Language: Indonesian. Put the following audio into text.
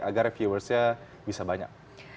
agar viewersnya bisa banyak